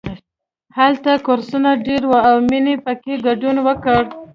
هلته کورسونه ډېر وو او مینې پکې ګډون وکړ